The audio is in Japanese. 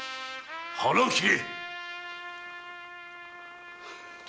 腹を切れ‼